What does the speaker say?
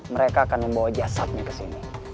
mereka akan membawa jasadnya ke sini